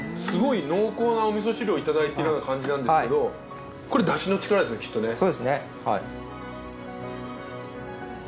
すごい濃厚なおみそ汁を頂いているような感じなんですけどこれだしの力ですよねきっとね。